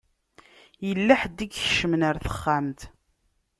Yella ḥedd i ikecmen ar texxamt.